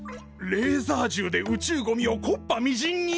レーザーじゅうで宇宙ゴミをこっぱみじんに！？